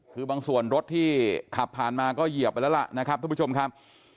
คือบางส่วนรถที่ขับผ่านมาก็เหยียบไปแล้วล่ะนะครับทุกผู้ชมครับ